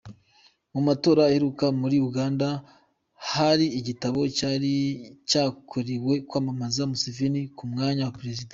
Mu matora aheruka muri Uganda hari igitabo cyari cyakorewe kwamamaza Museveni ku mwanya Perezida.